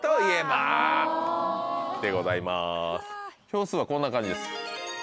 票数はこんな感じです。